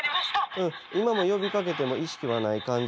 今も呼びかけても意識はない感じ？